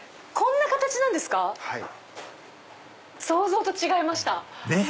想像と違いました。ねぇ！